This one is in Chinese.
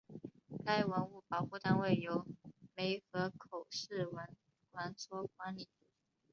该文物保护单位由梅河口市文管所管理。